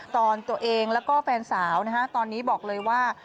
ตอนตัวเองแล้วก็แฟนสาวตอนนี้บอกเลยว่า